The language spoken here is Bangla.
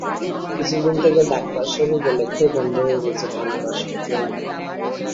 কিছুদিন থেকে ডাকবার সব উপলক্ষই বন্ধ হয়ে গেছে, বানাবার শক্তিও নেই।